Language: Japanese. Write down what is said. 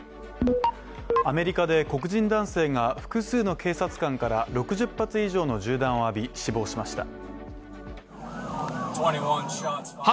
アメリカで黒人男性が複数の警察官から６０発以上の銃弾を浴び死亡しました。